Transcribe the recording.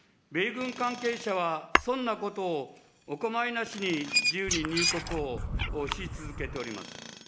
米軍関係者は、そんなことお構いなしに自由に入国をし続けております。